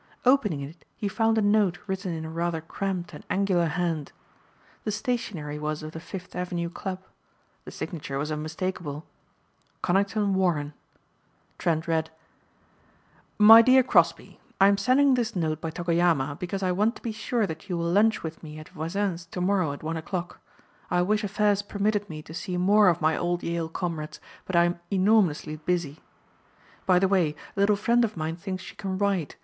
Opening it he found a note written in a rather cramped and angular hand. The stationery was of the Fifth Avenue club. The signature was unmistakable, "Conington Warren." Trent read: "My dear Crosbeigh: "I am sending this note by Togoyama because I want to be sure that you will lunch with me at Voisin's to morrow at one o'clock. I wish affairs permitted me to see more of my old Yale comrades but I am enormously busy. By the way, a little friend of mine thinks she can write.